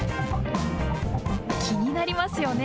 気になりますよね？